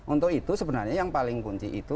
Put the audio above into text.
untuk itu sebenarnya yang paling kunci itu